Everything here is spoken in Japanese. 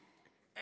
え？